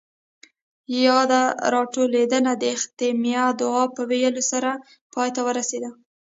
ياده راټولېدنه د اختتامیه دعاء پۀ ويلو سره پای ته ورسېده.